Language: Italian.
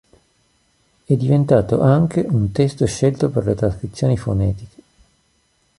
È diventato anche un testo scelto per le trascrizioni fonetiche.